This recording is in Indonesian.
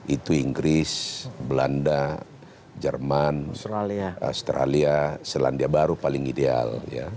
itu inggris belanda jerman australia selandia baru paling ideal